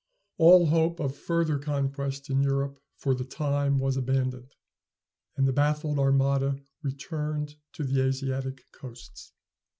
All hope of further conquest in Europe for the time was abandoned, and the baffled armada returned to the Asiatic coasts.